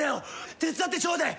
手伝ってちょうでえ。